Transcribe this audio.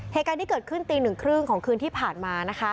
เหตุการณ์ที่เกิดขึ้นตีหนึ่งครึ่งของคืนที่ผ่านมา